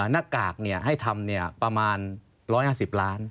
หน้ากากให้ทำประมาณ๑๕๐ล้าน